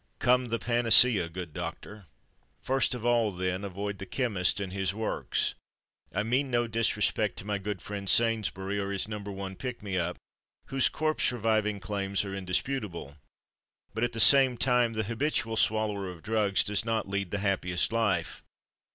Come, the panacea, good doctor! First of all, then, avoid the chemist and his works. I mean no disrespect to my good friend Sainsbury, or his "Number One Pick me up," whose corpse reviving claims are indisputable; but at the same time the habitual swallower of drugs does not lead the happiest life.